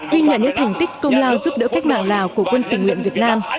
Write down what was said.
ghi nhận những thành tích công lao giúp đỡ cách mạng lào của quân tình nguyện việt nam